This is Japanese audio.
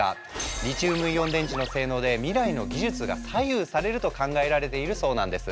リチウムイオン電池の性能で未来の技術が左右されると考えられているそうなんです。